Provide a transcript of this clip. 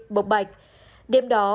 bộc bạch đêm đó